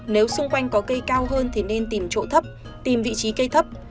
nếu xung quanh có cây cao hơn thì nên tìm chỗ thấp tìm vị trí cây thấp